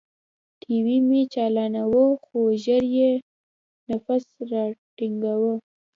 ټي وي مې چالاناوه خو ژر يې نفس راتنګاوه.